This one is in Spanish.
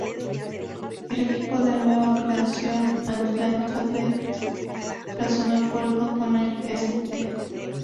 El equipo de nueva creación, Atlanta Beat, tras un acuerdo con el St.